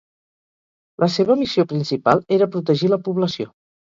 La seva missió principal era protegir la població.